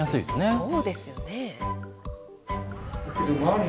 そうですよね。